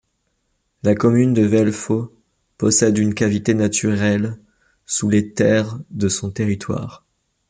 La commune de Vellefaux possède une cavité naturelle sous les terres de son territoire.